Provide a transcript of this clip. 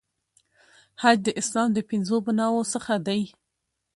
حج د اسلام د پنځو بناوو څخه دی.